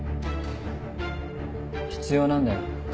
必要なんだよ